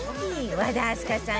和田明日香さん